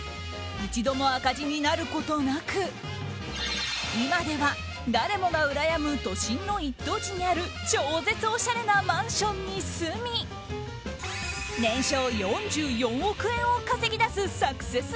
一度も赤字になることなく今では、誰もがうらやむ都心の一等地にある超絶おしゃれなマンションに住み年商４４億円を稼ぎ出すサクセス